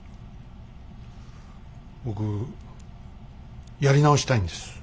僕やり直したいんです。